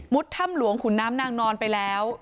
ถ้ำหลวงขุนน้ำนางนอนไปแล้ว